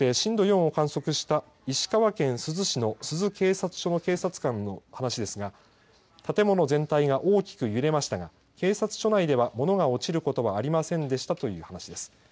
そして、震度４を観測した石川県珠洲市の珠洲警察署の警察官の話ですが建物全体が大きく揺れましたが警察署内では物が落ちることはありませんでしたという話です。